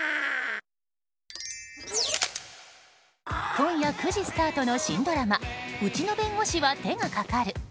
今夜９時スタートの新ドラマ「うちの弁護士は手がかかる」。